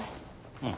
うん。